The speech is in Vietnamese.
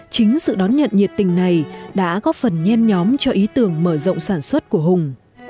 chính sự đón nhận nhiệt tình này đã góp phần nhen nhóm cho ý tưởng mở rộng sản xuất của hùng